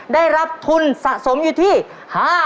ได้รับทุนสะสมอยู่ที่๕๐๐๐บาท